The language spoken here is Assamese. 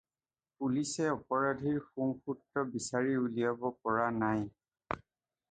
পুলিচে অপৰাধীৰ শুংসুত্ৰ বিচাৰি উলিয়াব পৰা নাই।